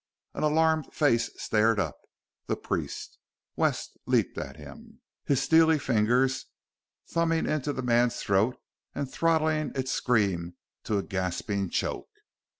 An alarmed face stared up the priest! Wes leaped at him, his steely fingers thumbing into the man's throat and throttling its scream to a gasping choke.